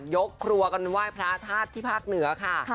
ยกครัวกันไหว้พระธาตุที่ภาคเหนือค่ะ